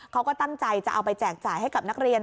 เขาก็ตั้งใจจะเอาไปแจกจ่ายให้กับนักเรียน